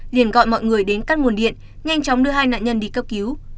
liền gọi mọi người đến cắt nguồn điện nhanh chóng đưa hai nạn nhân đi cấp cứu